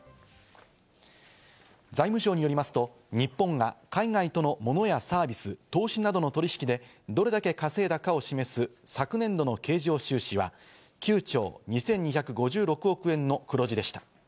財務省によりますと、日本が海外とのモノやサービス、投資などの取引でどれだけ稼いだかを示す昨年度の経常収支は９兆２２５６億円の黒字でした。